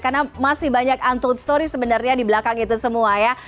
karena masih banyak untold story sebenarnya di belakang itu semua ya